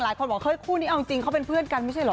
หลายคนบอกเฮ้ยคู่นี้เอาจริงเขาเป็นเพื่อนกันไม่ใช่เหรอ